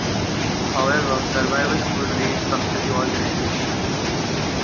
However, survivors could restructure the organization.